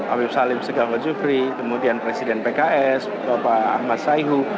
awif salim segahwajufri kemudian presiden pks bapak ahmad sayhu